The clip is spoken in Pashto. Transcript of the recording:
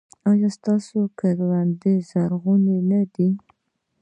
ایا ستاسو کرونده زرغونه نه ده؟